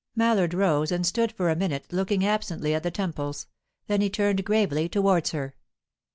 Mallard rose and stood for a minute looking absently at the temples. Then he turned gravely towards her.